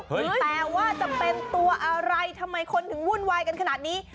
แต่ว่าจะเป็นตัวอะไรทำไมคนถึงวุ่นวายกันขนาดนี้